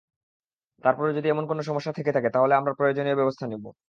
তারপরও যদি এমন কোনো সমস্যা থেকে থাকে, তাহলে আমরা প্রয়োজনীয় ব্যবস্থা নিব।